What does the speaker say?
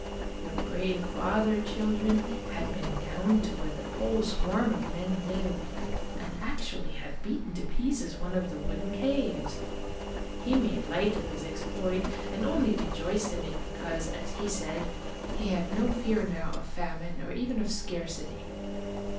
" Your brave father, children, had been clown to where the whole swarm of men lived, and actually had beaten to pieces one of the wooden caves ! He made light of his exploit, and only rejoiced in it because, as he said, he had no fear now of famine or even of 32 IMAGINOTIONS scarcity.